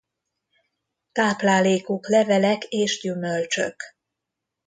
Táplálékuk levelek és gyümölcsök.